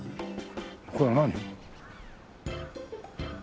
これは何？